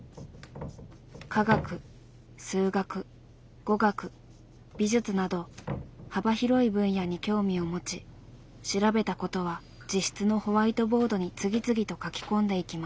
科学・数学・語学・美術など幅広い分野に興味を持ち調べたことは自室のホワイトボードに次々と書き込んでいきます。